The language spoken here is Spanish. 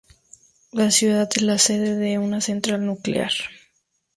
La ciudad es la sede de una central nuclear.